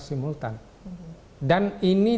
simultan dan ini